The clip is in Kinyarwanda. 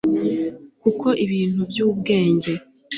kuko ibintu by ubwenge